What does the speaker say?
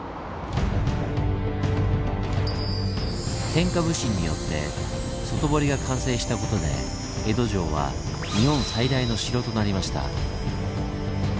天下普請によって外堀が完成したことで江戸城は日本最大の城となりました。